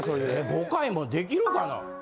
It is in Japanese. ５回もできるかな？